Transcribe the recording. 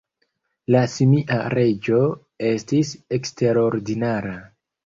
La simia reĝo estis eksterordinara.